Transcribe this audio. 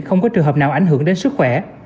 không có trường hợp nào ảnh hưởng đến sức khỏe